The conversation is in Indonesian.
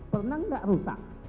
pernah nggak rusak